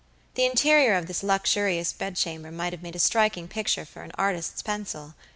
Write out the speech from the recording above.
The interior of this luxurious bedchamber might have made a striking picture for an artist's pencil.